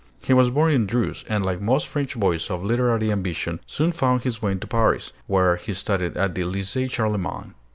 He was born in Dreuze, and like most French boys of literary ambition, soon found his way to Paris, where he studied at the Lycée Charlemagne.